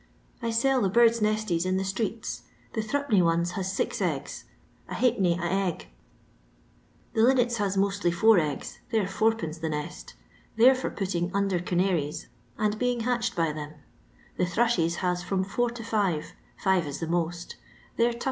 I sell the birds' nesties in the strqats; the three penny ones haa six eggs, a Jdilf penny a egg. The linnets haa mostly four eggf, tbay'ra UL the neat; they're for patting under eanarics^ and being hatched by theOL The throsbee his from four to five — five if the mott ; they 'rs 2d.